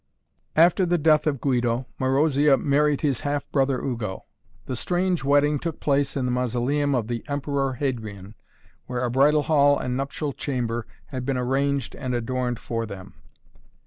After the death of Guido, Marozia married his half brother Ugo. The strange wedding took place in the Mausoleum of the Emperor Hadrian, where a bridal hall and nuptial chamber had been arranged and adorned for them.